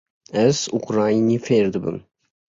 Ez ukraynî fêr dibim.